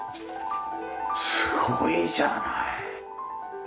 すごいじゃない。